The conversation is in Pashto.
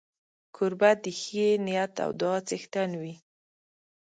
کوربه د ښې نیت او دعا څښتن وي.